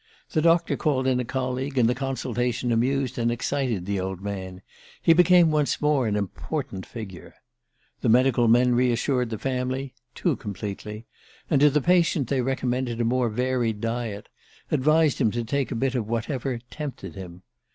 The doctor called in a colleague, and the consultation amused and excited the old man he became once more an important figure. The medical men reassured the family too completely! and to the patient they recommended a more varied diet: advised him to take whatever "tempted him."